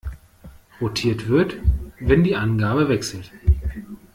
Rotiert wird, wenn die Angabe wechselt.